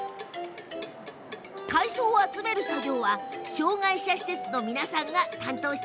海藻を集める作業は障害者施設の皆さんが担当。